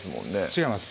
違います